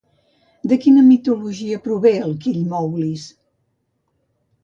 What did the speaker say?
De quina mitologia prové el Killmoulis?